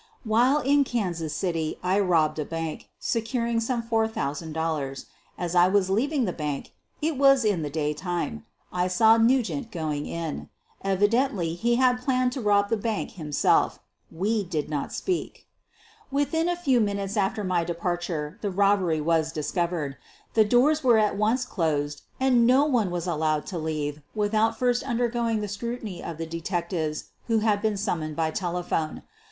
While in Kansas City I robbed a bank, securing some four thousand dollars. As I was leaving the bank — it was in the day time — I saw Nugent going in. Evidently he had planned to rob the bank him self. We did not speak. 252 SOPHIE LYONS Within a few minutes after my departure the rob bery was discovered. The doors were at once closed and no one was allowed to leave without first under going the scrutiny of the detectives who had been summoned by telephone.